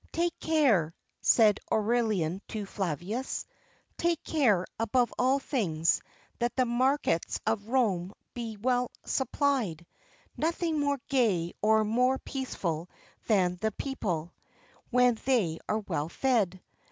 "Take care," said Aurelian to Flavius, "take care, above all things, that the markets of Rome be well supplied: nothing more gay or more peaceful than the people, when they are well fed."